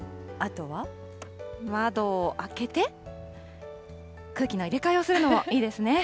窓を開けて、空気の入れ替えをするのもいいですね。